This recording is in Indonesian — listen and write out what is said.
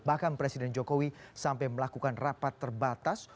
bahkan presiden jokowi sampai melakukan rapat terbatas